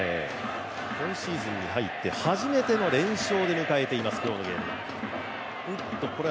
今シーズンに入って初めての連勝で迎えています、今日のゲーム。